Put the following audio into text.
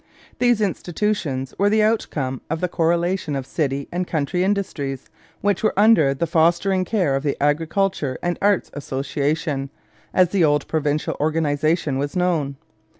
These institutions were the outcome of the correlation of city and country industries, which were under the fostering care of the Agriculture and Arts Association, as the old provincial organization was now known.